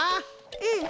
うん。